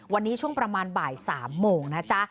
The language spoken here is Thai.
วันนี้ช่วงประมาณบ่าย๓โมงนะจ๊ะ